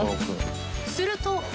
すると。